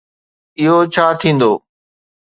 اهو ڇا ٿيندو؟